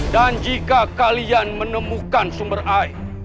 dan jika kalian menemukan sumber air